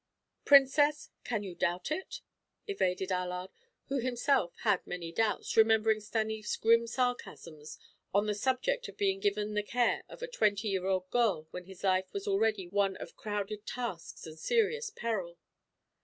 "Princess, can you doubt it?" evaded Allard, who himself had many doubts, remembering Stanief's grim sarcasms on the subject of being given the care of a twenty year old girl when his life was already one of crowded tasks and serious peril.